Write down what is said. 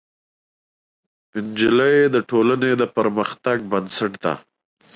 نجلۍ د ټولنې د پرمختګ بنسټ ده.